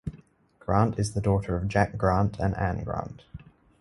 Grant is the daughter of Jack Grant and Ann Grant.